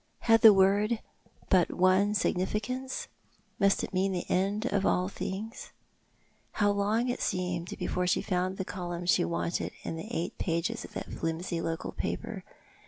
Had the word but one significance ? Must it mean the end of all things? How long it seemed before she found the column she wanted The Furies on the Hearth. 305 in the eight pages of that flimsy local paper!